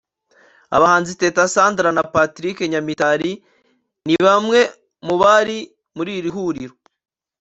Abahanzi Teta Sandra na Patrick Nyamitari ni bamwe mu bari muri iri huriro